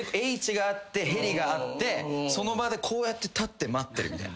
Ｈがあってヘリがあってその場でこうやって立って待ってる。